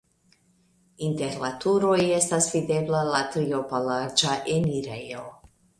Inter la turoj estas videbla la triopa larĝa enirejo.